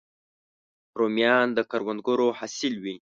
رومیان د کروندګرو حاصل وي